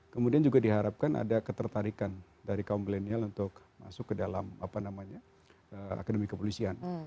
kemudian juga diharapkan ada ketertarikan dari kaum milenial untuk masuk ke dalam akademi kepolisian